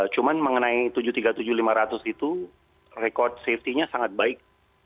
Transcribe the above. cuma mengenai tujuh ratus tiga puluh tujuh lima ratus itu rekod safety nya sangat baik